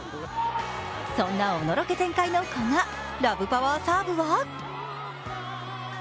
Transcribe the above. そんなおのろけ全開の古賀ラブパワーサーブは？